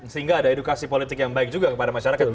sehingga ada edukasi politik yang baik juga kepada masyarakat